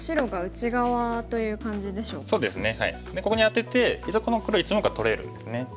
ここにアテて一応この黒１目は取れるんですね。